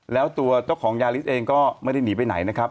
แล้วตัวเจ้าของยาลิสเองก็ไม่ได้หนีไปไหนนะครับ